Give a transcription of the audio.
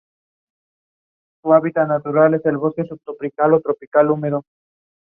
The contest is usually held in early March.